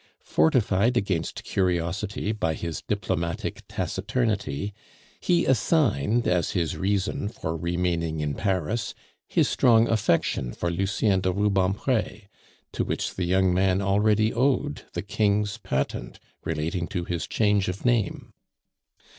Fortified against curiosity by his diplomatic taciturnity, he assigned as his reason for remaining in Paris his strong affection for Lucien de Rubempre, to which the young man already owed the King's patent relating to his change of name.